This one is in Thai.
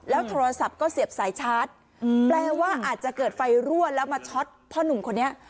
โทรศัพท์ก็เสียบสายชาร์จแปลว่าอาจจะเกิดไฟรั่วแล้วมาช็อตพ่อหนุ่มคนนี้